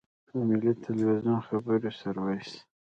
د ملي ټلویزیون خبري سرویس.